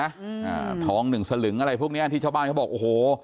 อ่าทองหนึ่งสลึงอะไรพวกเนี้ยที่ชาวบ้านเขาบอกโอ้โห